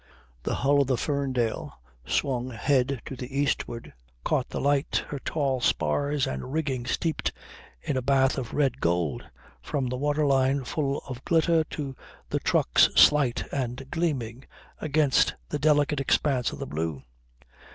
The hull of the Ferndale, swung head to the eastward, caught the light, her tall spars and rigging steeped in a bath of red gold, from the water line full of glitter to the trucks slight and gleaming against the delicate expanse of the blue.